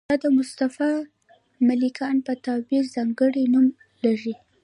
دا د مصطفی ملکیان په تعبیر ځانګړی نوم لري.